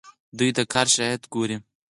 دوی د کار شرایط ګوري.